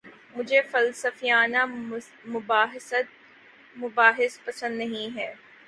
مجھے فلسفیانہ مباحث پسند نہیں ہیں